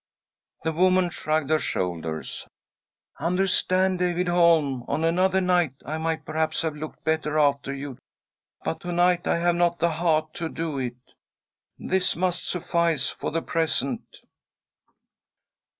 The woman shrugged her shoulders. " Under stand, David Holm, on another night I might perhaps have looked better after you, but to night I have not the heart to do it. This, must suffice for the present."